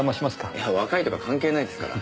いや若いとか関係ないですから。